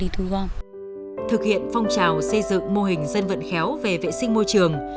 thực hiện phong trào xây dựng mô hình dân vận khéo về vệ sinh môi trường